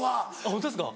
ホントですか？